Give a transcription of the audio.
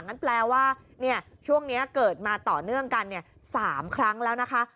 งั้นแปลว่าช่วงนี้เกิดมาต่อเนื่องกัน๓ครั้งแล้วนะคะ